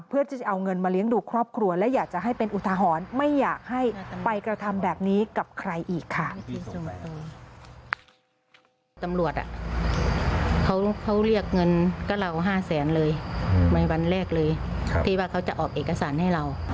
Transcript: เพื่อที่จะเอาเงินมาเลี้ยงดูครอบครัวและอยากจะให้เป็นอุทหรณ์ไม่อยากให้ไปกระทำแบบนี้กับใครอีกค่ะ